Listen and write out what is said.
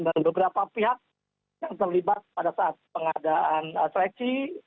dan beberapa pihak yang terlibat pada saat pengadaan seleksi